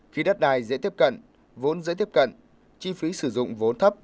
phí đất đai dễ tiếp cận vốn dễ tiếp cận chi phí sử dụng vốn thấp